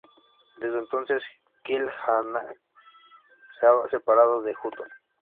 Desde entonces Kill Hannah se ha separado de Hutton.